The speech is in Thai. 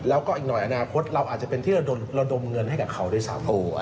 แล้วก็อีกหน่อยอนาคตเราอาจจะเป็นที่ระดมเงินให้กับเขาด้วยซ้ำ